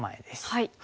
はい。